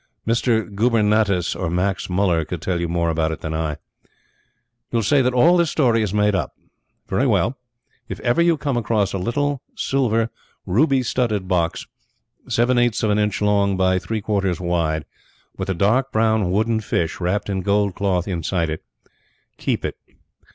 Mister Gubernatis or Max Muller could tell you more about it than I. You will say that all this story is made up. Very well. If ever you come across a little silver, ruby studded box, seven eighths of an inch long by three quarters wide, with a dark brown wooden fish, wrapped in gold cloth, inside it, keep it.